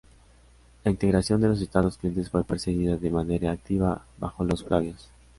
La integración de los estados clientes fue perseguida de manera activa bajo los flavios.